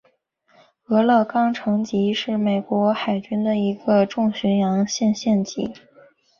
俄勒冈城级是美国海军的一个重巡洋舰舰级。